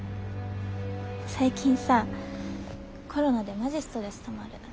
最近さコロナでマジストレスたまる。